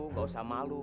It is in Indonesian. gak usah malu